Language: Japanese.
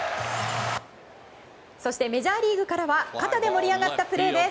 そしてメジャーリーグからは肩で盛り上がったプレーです。